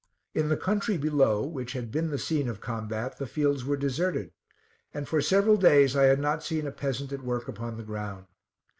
In the country below, which had been the scene of combat, the fields were deserted, and for several days I had not seen a peasant at work upon the ground.